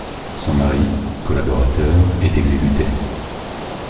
Son mari, collaborateur, est exécuté.